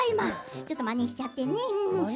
ちょっとまねしちゃってね。